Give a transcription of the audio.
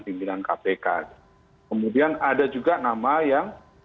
pimpinan kpk kemudian ada juga nama yang